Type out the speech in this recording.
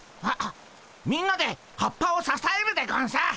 みんなで葉っぱをささえるでゴンス。